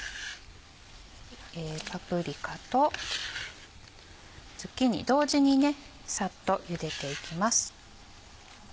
パプリカとズッキーニ同時にサッとゆでていきます。